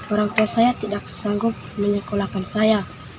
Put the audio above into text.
orang tua saya tidak sanggup menyekolahkan saya